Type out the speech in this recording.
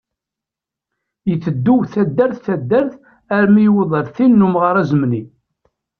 Iteddu taddart taddart armi yewweḍ tin n umɣar azemni.